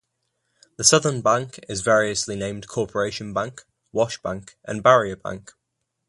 The southern bank is variously named Corporation Bank, Wash Bank and Barrier Bank.